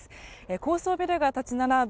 高層ビルが立ち並ぶ